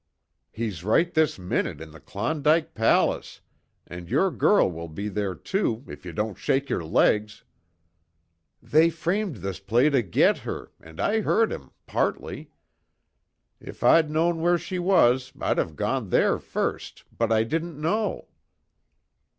"He's right this minute in the Klondike Palace and your girl will be there too, if you don't shake your legs! They framed this play to get her and I heard 'em partly. If I'd known where she was, I'd have gone there first but I didn't know."